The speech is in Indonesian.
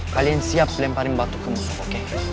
kalian siap lemparin batu ke musuh oke